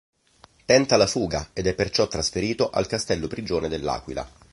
Tenta la fuga ed è perciò trasferito al castello prigione dell’Aquila.